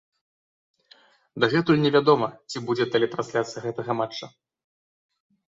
Дагэтуль невядома, ці будзе тэлетрансляцыя гэтага матча.